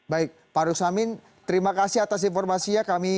baik pak rusamin terima kasih atas informasinya